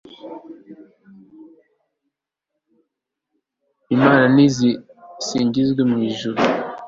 imana nisingizwe mw'ijuru